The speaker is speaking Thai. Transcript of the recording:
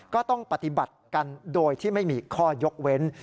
ก็ต้องปฏิบัติกันโดยที่ไม่มีข้อยกเว้น